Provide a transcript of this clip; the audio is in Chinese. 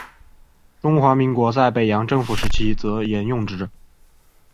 中华民国在北洋政府时期则沿用之。